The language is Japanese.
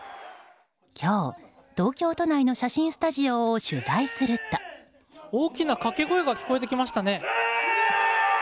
今日、東京都内の写真スタジオを大きな掛け声が聞こえてきましたね。